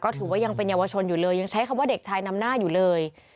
ถือว่ายังเป็นเยาวชนอยู่เลยยังใช้คำว่าเด็กชายนำหน้าอยู่เลย